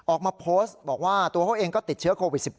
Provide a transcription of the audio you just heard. ออกมาโพสต์บอกว่าตัวเขาเองก็ติดเชื้อโควิด๑๙